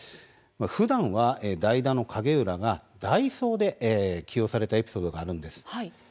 ふだんは代打の景浦が代走で起用されたエピソードがあるんです。